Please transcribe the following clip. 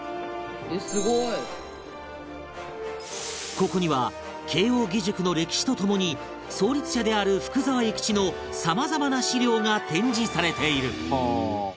ここには慶應義塾の歴史とともに創立者である福沢諭吉のさまざまな史料が展示されている